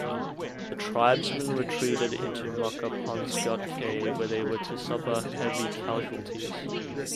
The tribesmen retreated into Makapansgat cave, where they were to suffer heavy casualties.